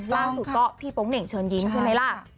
ล่าสุดก็พี่โป๊งเหน่งเชิญยิ้มใช่ไหมล่ะ